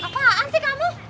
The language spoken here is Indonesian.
apaan sih kamu